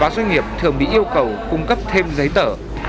các doanh nghiệp thường bị yêu cầu cung cấp thêm giấy tở ba mươi ba